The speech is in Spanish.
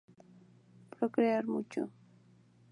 Procrear mucho.